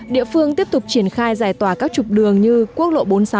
địa phương tiếp tục triển khai giải tỏa các trục đường như quốc lộ bốn mươi sáu